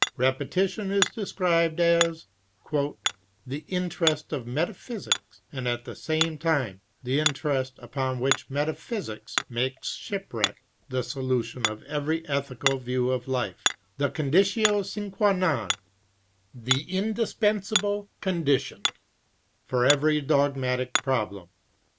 Repetition is described as "the interest of metaphysics, and at the same time the interest upon which metaphysics makes ship wreck; the solution of every ethical view of life; the conditio sine qua non for every dogmatic problem."